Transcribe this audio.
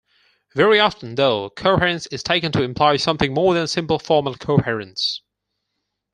Very often, though, coherence is taken to imply something more than simple formal coherence.